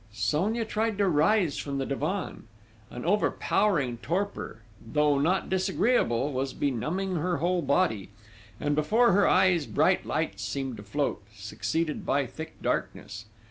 Sonia tried to rise from the divan. An overpowering torpor, though not disagreeable, was benumbing her whole body, and before her eyes bright lights seemed to float, succeeded by thick darkness.